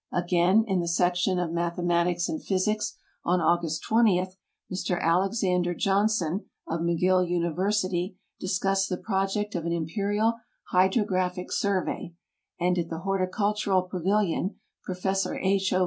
Again, in the Section of Mathematics and Phj^sics, on August 20, Mr Alexander Johnson, of McGill University, dis cussed the project of an Imperial Hydrographic Surve3% and at the Horticultural Pavilion Prof. H. 0.